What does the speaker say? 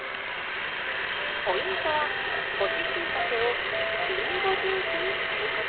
ポイントは干ししいたけをりんごジュースにつけること。